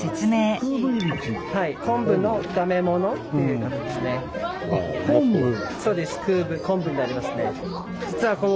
昆布の炒め物っていう食べ物ですね。